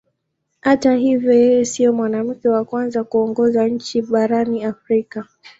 Hata hivyo yeye sio mwanamke wa kwanza kuongoza nchi barani Afrika.